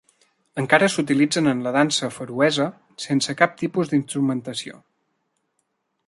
Encara s'utilitzen en la dansa feroesa sense cap tipus d'instrumentació.